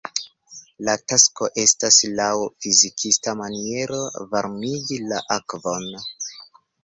La tasko estas, laŭ fizikista maniero varmigi la akvon.